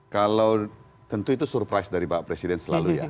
kalau tentu itu surprise dari pak presiden selalu ya